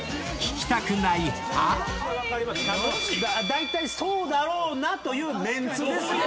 だいたいそうだろうなというメンツですよ。